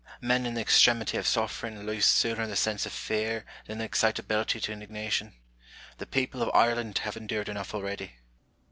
Men in the extremity of suffering lose sooner the sense of fear than the excitability to indignation : the people of Ireland have endured enough already.